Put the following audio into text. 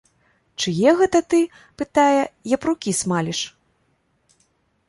Чые гэта ты, пытае, япрукі смаліш?